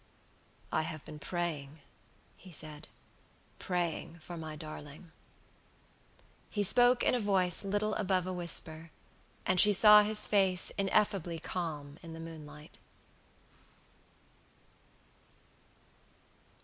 "I have been praying," he said"praying for my darling." He spoke in a voice little above a whisper, and she saw his face ineffably calm in the moonlight.